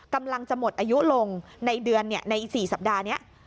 กำลังจะหมดอายุลงในเดือนในอีก๔สัปดาห์นี้